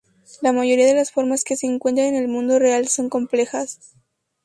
La mayoría de las formas que se encuentran en el mundo real son complejas.